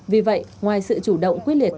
vì vậy ngoài sự chủ động quyết liệt